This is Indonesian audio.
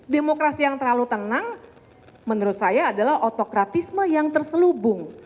demokrasi yang terlalu tenang menurut saya adalah otokratisme yang terselubung